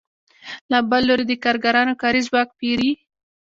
له بل لوري د کارګرانو کاري ځواک پېري